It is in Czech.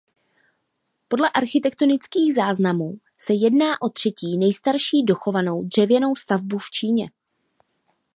Podle architektonických záznamů se jedná o třetí nejstarší dochovanou dřevěnou stavbu v Číně.